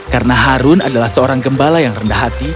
karena harun adalah seorang gembala yang rendah hati